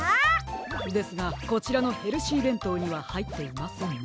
ですがこちらのヘルシーべんとうにははいっていませんね。